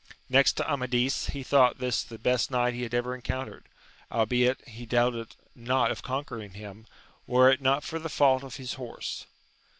Next to Amadis, he thought this the best knight he had ever encountered, albeit he doubted not of conquering him, were it not for the fault of his horse.